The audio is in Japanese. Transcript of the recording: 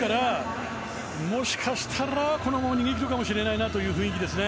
もしかしたら、このまま逃げ切るかもしれないという感じですね。